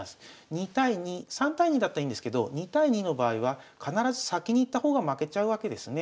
２対２３対２だったらいいんですけど２対２の場合は必ず先にいった方が負けちゃうわけですね。